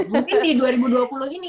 mungkin di dua ribu dua puluh ini